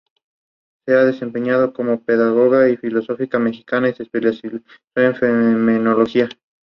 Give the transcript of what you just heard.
Diversos organismos sindicales y patronatos de trabajadores construyeron los edificios que hoy podemos ver.